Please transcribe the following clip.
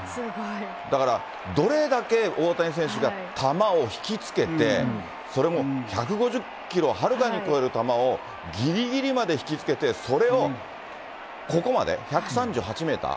だから、どれだけ大谷選手が球を引きつけて、それも１５０キロをはるかに超える球を、ぎりぎりまで引きつけて、それをここまで、１３８メーター？